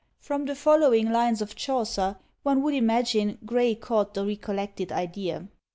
From the following lines of Chaucer, one would imagine Gray caught the recollected idea.